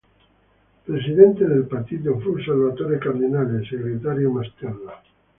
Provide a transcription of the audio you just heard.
Presidente del partito fu Salvatore Cardinale, segretario Mastella.